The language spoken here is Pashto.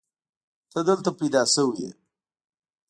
ته دلته پيدا شوې يې.